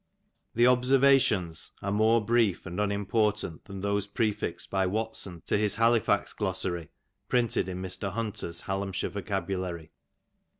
The " Observa tions^^ are more brief and unimportant than those prefixed by Watson to his Halifax Glossary, printed in Mr. Hunter's HaUatnr shir0 Vocabulary.